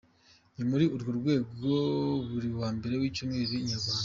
Ni muri urwo rwego buri wa mbere w’icyumweru, inyarwanda.